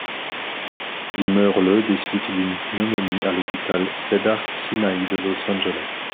Il meurt le des suites d'une pneumonie à l'hôpital Cedars-Sinaï de Los Angeles.